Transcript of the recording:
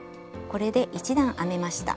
これで１段編めました。